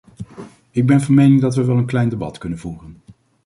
Ik ben van mening dat we wel een klein debat kunnen voeren.